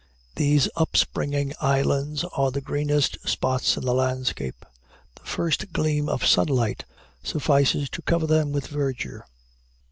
These upspringing islands are the greenest spots in the landscape; the first gleam of sunlight suffices to cover them with verdure.